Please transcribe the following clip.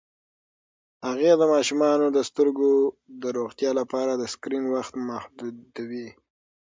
هغې د ماشومانو د سترګو د روغتیا لپاره د سکرین وخت محدودوي.